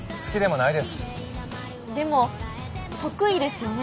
でも得意ですよね？